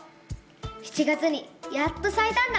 ７月にやっとさいたんだ！